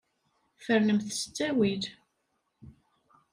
Fernemt s ttawil.